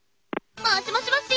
もしもしもっし！